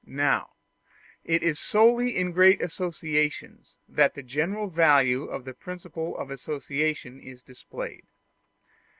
Now it is solely in great associations that the general value of the principle of association is displayed.